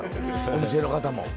お店の方も。